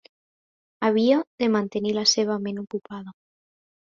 Havia de mantenir la seva ment ocupada.